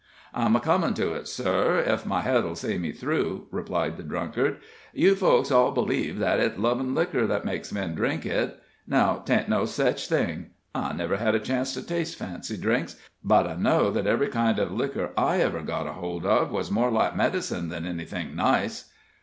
"I'm a comin' to it, sir, ef my head'll see me through," replied the drunkard. "You folks all b'leeve that its lovin' liquor that makes men drink it; now, 'taint no sech thing. I never had a chance to taste fancy drinks, but I know that every kind of liquor I ever got hold of was more like medicine than anything nice."